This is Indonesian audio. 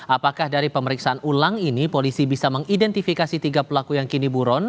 apakah dari pemeriksaan ulang ini polisi bisa mengidentifikasi tiga pelaku yang kini buron